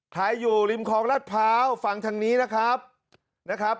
ขายอยู่ริมของรัดพร้าวฝั่งทางนี้นะครับ